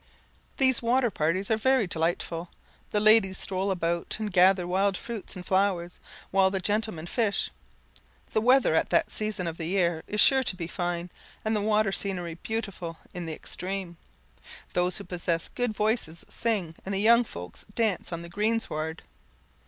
These water parties are very delightful. The ladies stroll about and gather wild fruit and flowers, while the gentlemen fish. The weather at that season of the year is sure to be fine, and the water scenery beautiful in the extreme. Those who possess good voices sing, and the young folks dance on the greensward.